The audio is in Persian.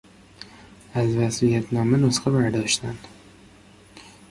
از وصیت نامه نسخه برداشتن